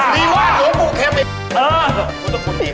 นี่แค่ดูแล้วหายหมดเลย